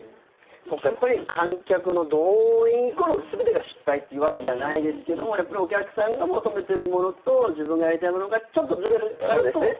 そっか観客の動員イコール全てが失敗ってわけじゃないけどやっぱりお客さんが求めてるものと自分がやりたいものがちょっとズレがあると。